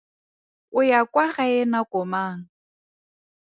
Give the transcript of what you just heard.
O ya kwa gae nako mang?